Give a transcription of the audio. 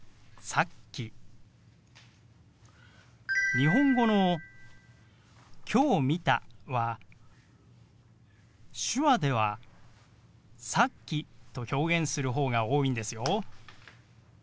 日本語の「きょう見た」は手話では「さっき」と表現するほうが多いんですよ。